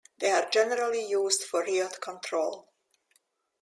They are generally used for riot control.